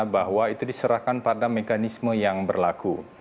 bahwa itu diserahkan pada mekanisme yang berlaku